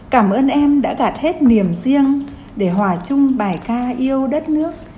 cảm ơn em đã gạt hết niềm riêng để hòa chung bài ca yêu đất nước